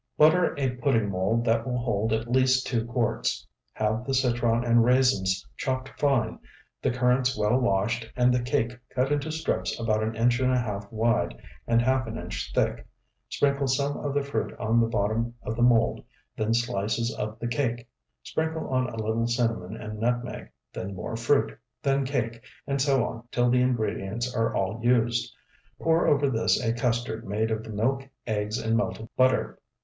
Butter a pudding mold that will hold at least two quarts. Have the citron and raisins chopped fine, the currants well washed, and the cake cut into strips about an inch and a half wide and half an inch thick; sprinkle some of the fruit on the bottom of the mold, then slices of the cake; sprinkle on a little cinnamon and nutmeg, then more fruit, then cake, and so on till the ingredients are all used. Pour over this a custard made of the milk, eggs, and melted butter.